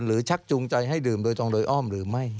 ชักจูงใจให้ดื่มโดยตรงโดยอ้อมหรือไม่